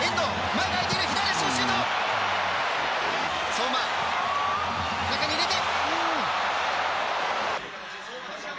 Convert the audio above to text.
相馬、中に入れて。